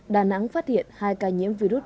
đà nẵng phát hiện hai ca nhiễm virus